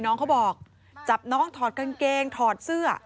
น้องเขาบอกจับน้องถอดกางเกงถอดเสื้อ